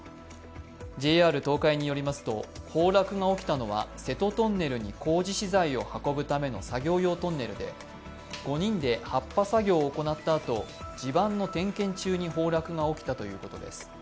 ＪＲ東海によりますと崩落が起きたのは瀬戸トンネルに工事資材を運ぶための作業用トンネルで、５人で発破作業を行ったあと地盤の点検中に崩落が起きたということです。